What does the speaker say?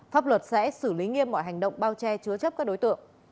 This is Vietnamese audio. pháp luật sẽ xử lý nghiêm mọi hành động bao che chứa chấp các đối tượng